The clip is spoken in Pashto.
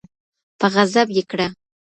په غضب یې کړه